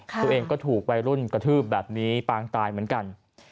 ตัวเองก็ถูกวัยรุ่นกระทืบแบบนี้ปางตายเหมือนกัน